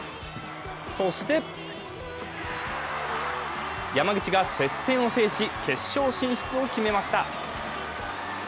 そして、山口が接戦を制し決勝進出を決めました。